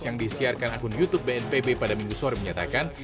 yang disiarkan akun youtube bnpb pada minggu sore menyatakan